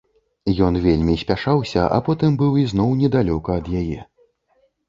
Ён вельмі спяшаўся, а потым быў ізноў недалёка ад яе.